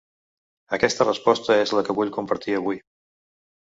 Aquesta resposta és la que vull compartir avui.